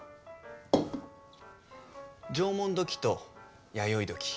縄文土器と弥生土器。